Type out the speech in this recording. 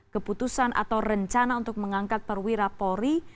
keputusan atau rencana untuk mengangkat perwira polri